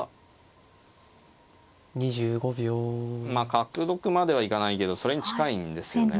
角得まではいかないけどそれに近いんですよね。